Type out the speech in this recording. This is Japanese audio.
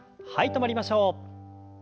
止まりましょう。